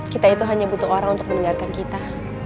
kita itu hanya butuh orang untuk mendengarkan kita